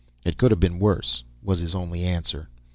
"It could have been worse," was his only answer.